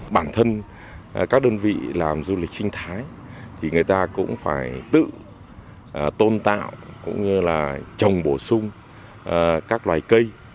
bản thân các đơn vị làm du lịch sinh thái thì người ta cũng phải tự tôn tạo cũng như là trồng bổ sung các loài cây